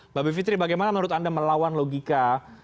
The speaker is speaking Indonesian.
mbak bivitri bagaimana menurut anda melawan logika